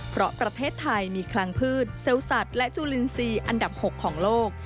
เพราะประเทศไทยมีคลังพืชเซลล์สัตว์และจุลินทรีย์อันดับ๖ของโลก